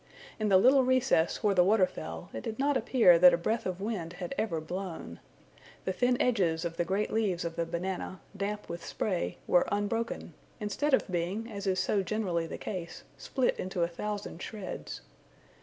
In the little recess where the water fell, it did not appear that a breath of wind had ever blown. The thin edges of the great leaves of the banana, damp with spray, were unbroken, instead of being, as is so generally the case, split into a thousand shreds.